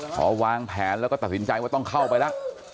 พอวางแผนแล้วก็ตัดสินใจว่าต้องเข้าไปแล้ว